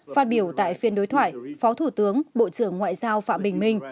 phát biểu tại phiên đối thoại phó thủ tướng bộ trưởng ngoại giao phạm bình minh